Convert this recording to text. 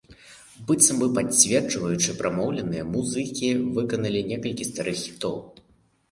Быццам бы пацвярджаючы прамоўленае, музыкі выканалі некалькі старых хітоў.